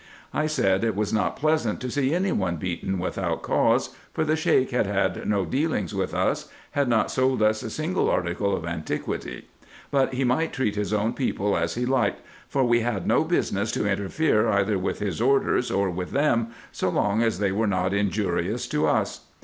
I said, it was not pleasant to see any one beaten without cause, for the Sheik had had no dealings with us, had not sold us a single article of antiquity ; but he might treat his own people as he liked, for we had no business to interfere either with his orders, or with them, so long as they were not injurious to us.